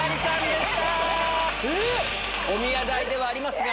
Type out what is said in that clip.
おみや代ではありますが。